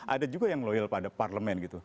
ada juga yang loyal pada parlemen gitu